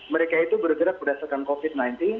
mereka itu bergerak berdasarkan covid sembilan belas